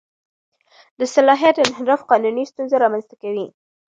د صلاحیت انحراف قانوني ستونزه رامنځته کوي.